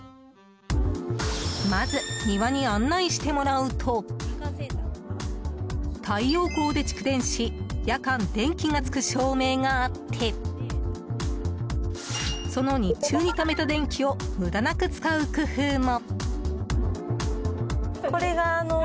まず、庭に案内してもらうと太陽光で蓄電し夜間電気がつく照明があってその日中にためた電気を無駄なく使う工夫も。